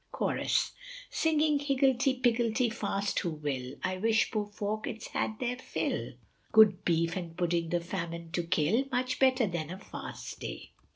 CHORUS. Singing higlety pickelty fast who will, I wish poor folk it's had their fill, Good beef and pudding the famine to kill, Much better than a fast day.